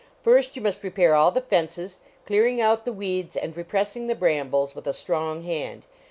First, you must repair all the fences, clearing out the weeds and repressing the brambles with a strong hand.